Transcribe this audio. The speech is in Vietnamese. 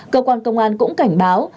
cơ quan công an cũng cảnh báo